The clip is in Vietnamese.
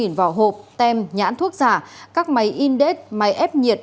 hơn ba mươi năm vỏ hộp tem nhãn thuốc giả các máy in date máy ép nhiệt